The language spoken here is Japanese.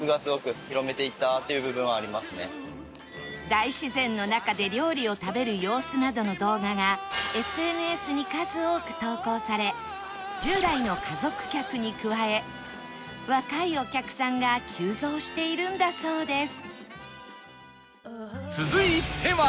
大自然の中で料理を食べる様子などの動画が ＳＮＳ に数多く投稿され従来の家族客に加え若いお客さんが急増しているんだそうです